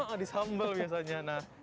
iya di sambal biasanya